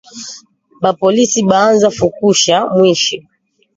Ba polisi baanza fukusha mwishi